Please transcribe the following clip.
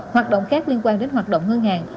hoạt động khác liên quan đến hoạt động ngân hàng